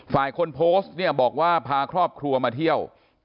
คนโพสต์เนี่ยบอกว่าพาครอบครัวมาเที่ยว